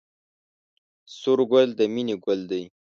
سور ګل د مینې ګل دی